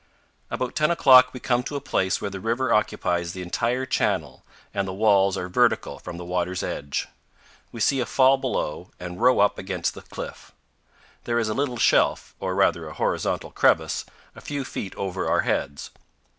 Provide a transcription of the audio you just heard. About ten o'clock we come to a place where the river occupies the entire channel and the walls are vertical from the water's edge. We see a fall below and row up against the cliff. There is a little shelf, or rather a horizontal crevice, a few feet over our heads.